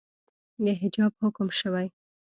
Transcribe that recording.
د حجاب حکم شوئ